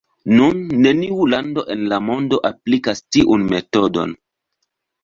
Nun neniu lando en la mondo aplikas tiun metodon.